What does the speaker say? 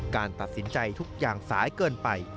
การตัดสินใจทุกอย่างสายเกินไป